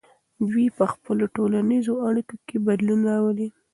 دوی په خپلو ټولنیزو اړیکو کې بدلون راولي.